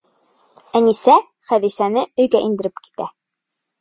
Әнисә Хәҙисәне өйгә индереп китә.